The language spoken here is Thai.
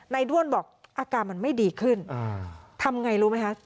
ด้วนบอกอาการมันไม่ดีขึ้นทำไงรู้ไหมคะ